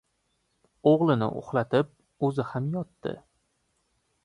O‘g‘lini uxlatib o‘zi ham yotdi.